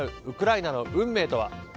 ウクライナの運命とは。